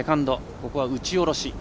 ここは打ち下ろし。